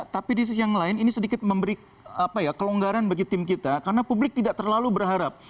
tapi di sisi yang lain ini sedikit memberi kelonggaran bagi tim kita karena publik tidak terlalu berharap